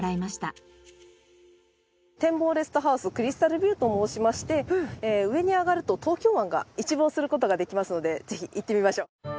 展望レストハウスクリスタルビューと申しまして上に上がると東京湾が一望する事ができますのでぜひ行ってみましょう。